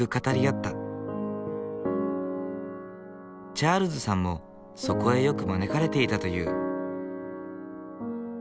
チャールズさんもそこへよく招かれていたという。